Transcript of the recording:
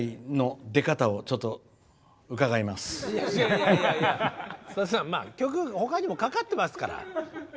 いやいやいやさださん曲他にもかかってますから。